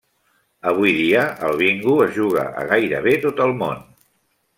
Avui dia el Bingo es juga a gairebé tot el món.